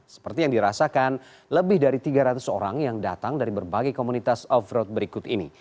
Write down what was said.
seperti yang dirasakan lebih dari tiga ratus orang yang datang dari berbagai komunitas off road berikut ini